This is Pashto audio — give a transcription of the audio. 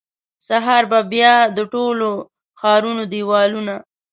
سهار به بیا د ټول ښارونو دیوالونه،